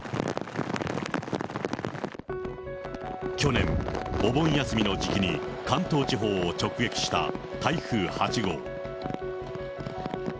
去年、お盆休みの時期に関東地方を直撃した台風８号。